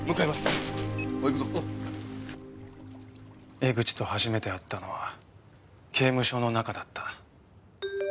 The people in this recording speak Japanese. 江口と初めて会ったのは刑務所の中だった。